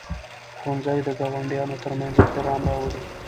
ښوونځي د ګاونډیانو ترمنځ احترام راولي.